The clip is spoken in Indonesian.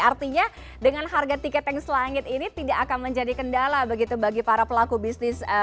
artinya dengan harga tiket yang selangit ini tidak akan menjadi kendala begitu bagi para pelaku bisnis